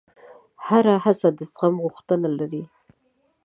هره هڅه د زغم غوښتنه لري.